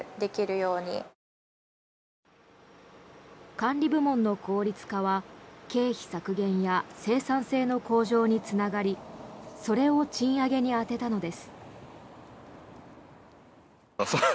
管理部門の効率化は経費削減や生産性の向上につながりそれを賃上げに充てたのです。